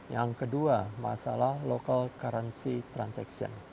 yang kedua masalah local currency transaction